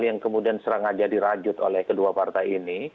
yang kemudian serangaja dirajut oleh kedua partai ini